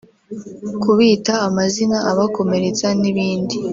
kubita amazina abakomeretsa n’ibindi”